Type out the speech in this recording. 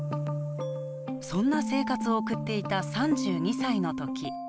そんな生活を送っていた３２歳の時。